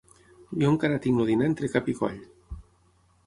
Jo encara tinc el dinar entre cap i coll.